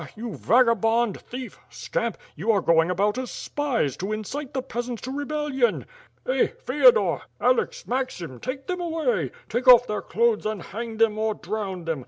you vagabond, thief, scamp, you are going about as spies, to incite the peasants to rebellion. Eh! Feodore, Alex, Maxim, take them away! Take off their clothes and banc: them or drown them!